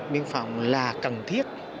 biên phòng là cần thiết